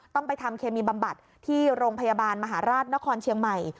ต้องไปทำเคมีบำบัดที่โรงพยาบาลมหาราชนครเชียงใหม่